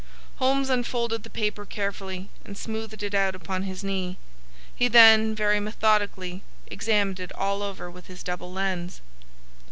Holmes unfolded the paper carefully and smoothed it out upon his knee. He then very methodically examined it all over with his double lens.